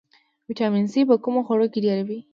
ویټامین سي په کومو خوړو کې ډیر وي